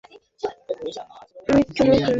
আর দুঃখ দিতে চাই নি আমি তোমাকে।